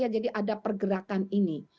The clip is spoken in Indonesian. jadi ada pergerakan ini